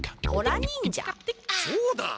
そうだ。